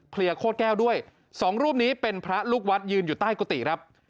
ลียโคตรแก้วด้วยสองรูปนี้เป็นพระลูกวัดยืนอยู่ใต้กุฏิครับ